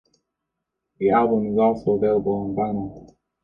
The album is also available on vinyl.